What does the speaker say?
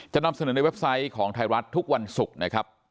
นำเสนอในเว็บไซต์ของไทยรัฐทุกวันศุกร์นะครับ